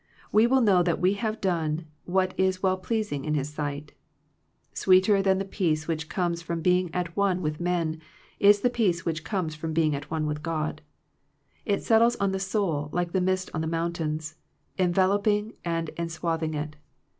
We will know that we have done what is well pleasing in His sight Sweeter than the peace which comes from being at one with men, is the peace which comes from being at one with God. It settles on the soul like the mist on the mountains, en veloping and enswathing it.